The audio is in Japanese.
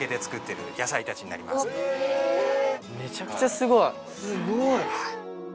すごい。